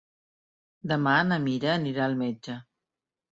Demà na Mira anirà al metge.